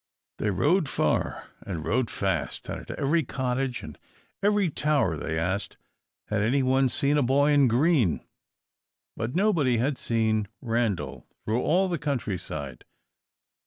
They rode far and rode fast, and at every cottage and every tower they asked "had anyone seen a boy in green?" But nobody had seen Randal through all the country side.